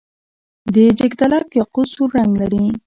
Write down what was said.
د جګدلک یاقوت سور رنګ لري.